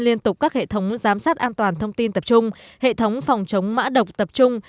liên tục các hệ thống giám sát an toàn thông tin tập trung hệ thống phòng chống mã độc tập trung